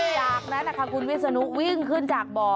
จากนั้นคุณวิศนุวิ่งขึ้นจากบ่อ